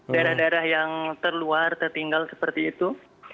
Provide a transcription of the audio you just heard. daerah daerah yang terluar tertinggal seperti itu